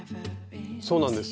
そうなんです。